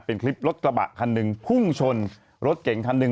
เป็นคลิปรถกระบะคันหนึ่งพุ่งชนรถเก่งคันหนึ่ง